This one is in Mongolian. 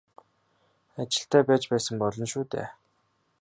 Ажилтай байж байсан болно шүү дээ.